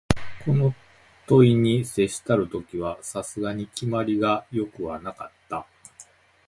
この問に接したる時は、さすがに決まりが善くはなかった